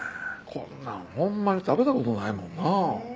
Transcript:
こんなんホンマに食べたことないもんな。